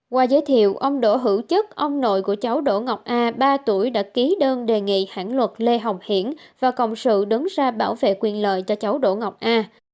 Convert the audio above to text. qua giới thiệu ông đỗ hữu chức ông nội của cháu đỗ ngọc a ba tuổi đã ký đơn đề nghị hẳn luật lê hồng hiển và cộng sự đứng ra bảo vệ quyền lợi cho cháu đỗ ngọc a